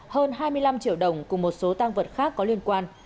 hơn hai mươi năm triệu đồng cùng một số tăng vật khác có liên quan